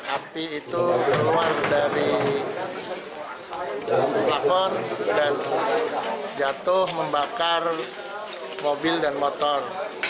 api itu keluar dari pelapor dan jatuh membakar mobil dan motor